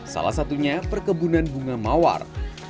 salah satunya perkebunan bunga mawar